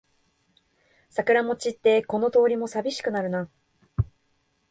桜も散ってこの通りもさびしくなるな